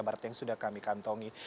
ibarat yang sudah kami kantongi